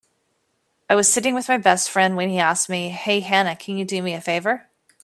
I was sitting with my best friend when he asked me, "Hey Hannah, can you do me a favor?"